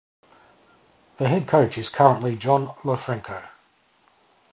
The head coach is currently John Lofranco.